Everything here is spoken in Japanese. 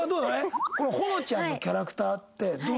保乃ちゃんのキャラクターってどう？